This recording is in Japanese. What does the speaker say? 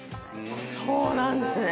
そうなんですね。